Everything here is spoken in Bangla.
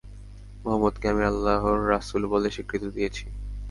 মুহাম্মাদকে আমি আল্লাহর রাসূল বলে স্বীকৃতি দিয়েছি।